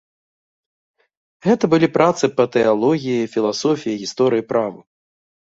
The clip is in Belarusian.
Гэта былі працы па тэалогіі, філасофіі, гісторыі, праву.